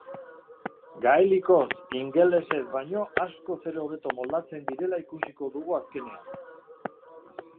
Gaelikoz ingelesez baino askoz ere hobeto moldatzen direla ikusiko dugu azkenean.